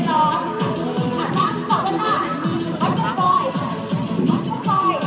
แค่ชุดไหนค่ะมาดูว่าแค่ไหนชุดไหน